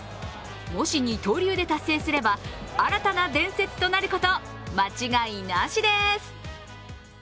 もし二刀流で達成すれば、新たな伝説となること間違いなしです。